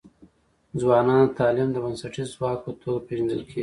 ځوانان د تعلیم د بنسټیز ځواک په توګه پېژندل کيږي.